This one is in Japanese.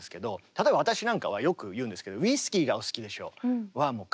例えば私なんかはよく言うんですけど「ウイスキーが、お好きでしょ」はおぉ。